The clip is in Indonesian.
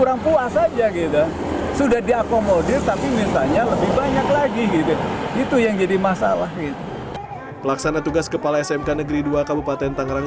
lagi gitu itu yang jadi masalah itu pelaksana tugas kepala smk negeri dua kabupaten tangerang